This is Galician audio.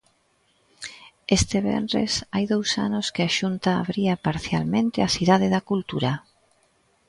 Este venres hai dous anos que a Xunta abría parcialmente a Cidade da Cultura.